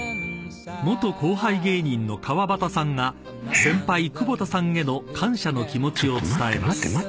［元後輩芸人の川端さんが先輩久保田さんへの感謝の気持ちを伝えます］